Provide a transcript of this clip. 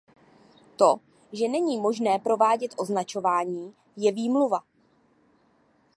To, že není možné provádět označování, je výmluva.